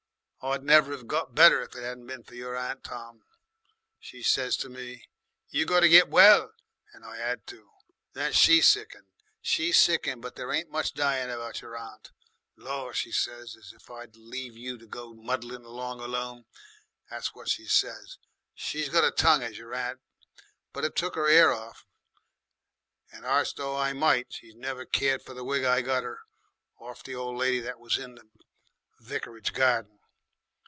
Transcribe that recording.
"I'd never 'ave got better if it 'adn't been for your aunt. 'Tom,' she says to me, 'you got to get well,' and I 'ad to. Then she sickened. She sickened but there ain't much dyin' about your aunt. 'Lor!' she says, 'as if I'd leave you to go muddlin' along alone!' That's what she says. She's got a tongue, 'as your aunt. But it took 'er 'air off and arst though I might, she's never cared for the wig I got 'er orf the old lady what was in the vicarage garden.